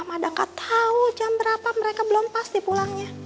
mada gak tau jam berapa mereka belum pasti pulangnya